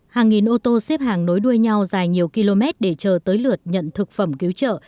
hàng nghìn ô tô xếp hàng nối đuôi nhau dài nhiều km để chờ tới lượt nhận thực phẩm cứu trợ